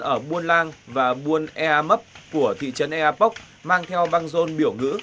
ở buôn làng và buôn eamop của thị trấn eapok mang theo băng rôn biểu ngữ